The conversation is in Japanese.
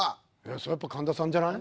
そりゃやっぱ神田さんじゃない？